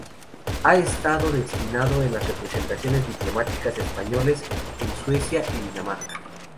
Ha estado destinado en las representaciones diplomáticas españolas en Suecia y Dinamarca.